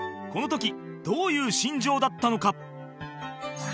この時どういう心情だったのか？